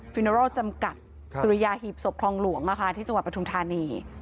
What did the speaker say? ฟินาโร่จำกัดสุริยาหีบศพคลองหลวงที่จังหวัดปทุมธานี